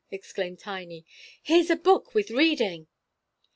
exclaimed Tiny; "here's a book with reading!"